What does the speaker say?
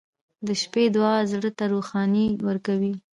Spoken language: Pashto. • د شپې دعا زړه ته روښنایي ورکوي.